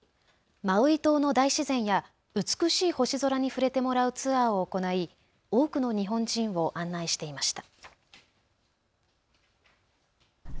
マウイ島の大自然や美しい星空に触れてもらうツアーを行い多くの日本人を案内していました。